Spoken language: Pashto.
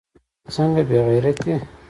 څنگه بې غيرتي.